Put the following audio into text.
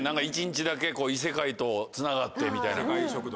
一日だけ異世界とつながってみたいな。